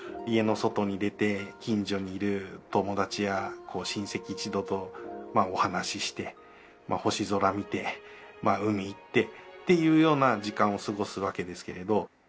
家の外に出て近所にいる友達や親戚一同とお話しして星空見て海行ってっていうような時間を過ごすわけですけれど。